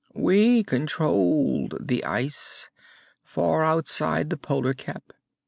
"We controlled the ice, far outside the polar cap.